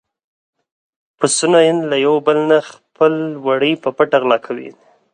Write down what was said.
پسونو له يو بل نه خپل وړي په پټه غلا کولې.